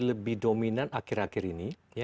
lebih dominan akhir akhir ini